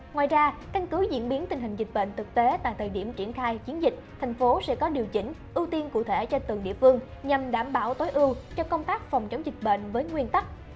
ngoài ra căn cứ diễn biến tình hình dịch bệnh thực tế tại thời điểm triển khai chiến dịch thành phố sẽ có điều chỉnh ưu tiên cụ thể cho từng địa phương nhằm đảm bảo tối ưu cho công tác phòng chống dịch bệnh với nguyên tắc